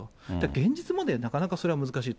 現実問題、なかなかそれは難しい。